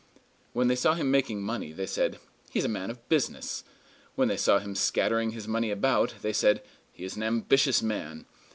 When they saw him making money, they said, "He is a man of business." When they saw him scattering his money about, they said, "He is an ambitious man."